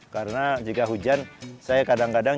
karena jika hujan saya kadang kadang